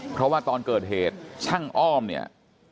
เพราะว่าตอนเกิดเหตุช่างอ้อมเนี่ย